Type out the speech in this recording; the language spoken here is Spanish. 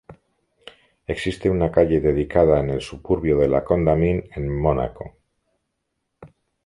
Existe una calle dedicada en el suburbio de La Condamine en Mónaco.